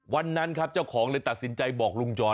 วันนั้นครับเจ้าของเลยตัดสินใจบอกลุงจร